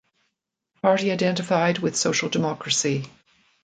The party identified with social democracy.